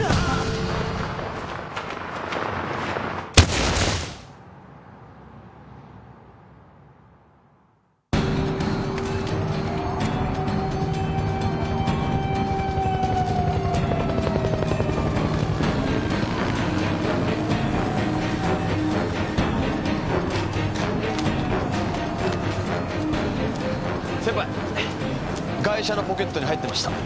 ガイシャのポケットに入ってました。